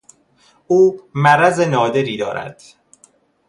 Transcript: او مرض نادری دارد.